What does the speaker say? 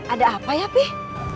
ada apa ya pih